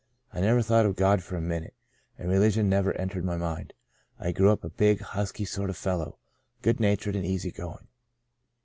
I never thought of God for a minute, and re ligion never entered my mind. I grew up a big, husky sort of a fellow, good natured and easy going.